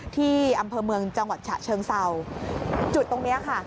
ที่อำเภอเมืองจังหวัดฉะเชิงเศร้าจุดตรงเนี้ยค่ะ